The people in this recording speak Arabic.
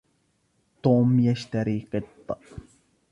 توم يشترى قِط.